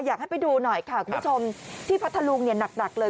อยากให้ไปดูหน่อยค่ะคุณผู้ชมที่พัทธลุงเนี่ยหนักเลย